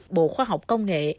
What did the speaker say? bộ khoa học công nghệ